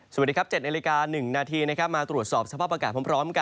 สวัสดีครับเจ็ดนาฬิกา๑นาทีมาตรวจสอบสภาพอากาศพร้อม